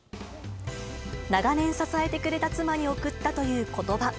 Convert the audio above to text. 長年支えてくれた妻に送ったということば。